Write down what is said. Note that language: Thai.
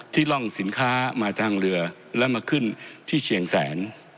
ร่องสินค้ามาทางเรือแล้วมาขึ้นที่เชียงแสน